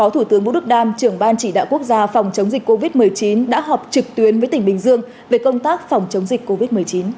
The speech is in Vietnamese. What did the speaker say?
trường ban chỉ đạo quốc gia phòng chống dịch covid một mươi chín đã họp trực tuyến với tỉnh bình dương về công tác phòng chống dịch covid một mươi chín